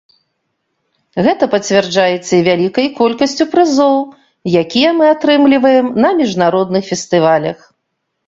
Гэта пацвярджаецца і вялікай колькасцю прызоў, якія мы атрымліваем на міжнародных фестывалях.